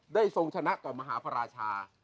ทรงชนะต่อมหาพระราชา